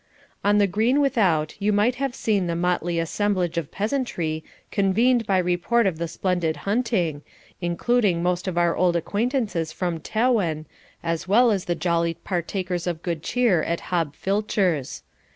On the green without you might have seen the motley assemblage of peasantry convened by report of the splendid hunting, including most of our old acquaintances from Tewin, as well as the jolly partakers of good cheer at Hob Filcher's.